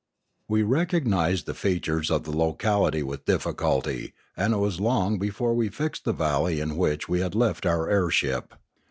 We recognised the features of the locality with diffi culty, and it was long before we fixed the valley in which we had left our airship.